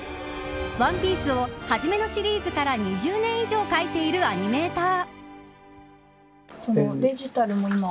ＯＮＥＰＩＥＣＥをはじめのシリーズから２０年以上描いているアニメーター。